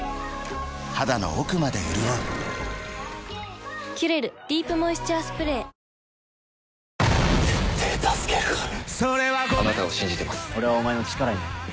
肌の奥まで潤う「キュレルディープモイスチャースプレー」もう救急車呼んだから。